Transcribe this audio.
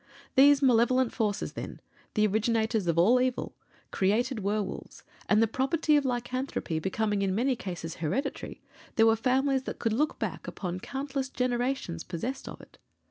These Malevolent Forces, then the originators of all evil created werwolves; and the property of lycanthropy becoming in many cases hereditary, there were families that could look back upon countless generations possessed of it.